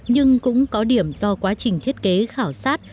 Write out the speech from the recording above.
nhưng cũng có điểm do quá trình thiết kế khảo sát